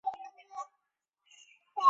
珊瑚藻在珊瑚礁的生态上有重要角色。